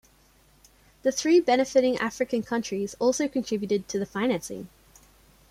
The three benefiting African countries also contributed to the financing.